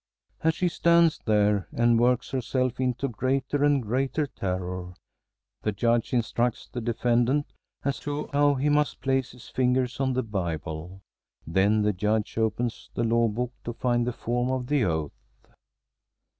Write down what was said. As she stands there and works herself into greater and greater terror, the Judge instructs the defendant as to how he must place his fingers on the Bible. Then the Judge opens the law book to find the form of the oath.